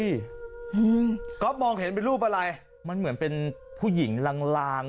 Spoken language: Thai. อืมก๊อฟมองเห็นเป็นรูปอะไรมันเหมือนเป็นผู้หญิงลางลาง